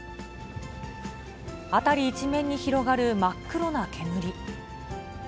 辺り一面に広がる真っ黒な煙。